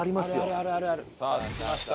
さあ着きました。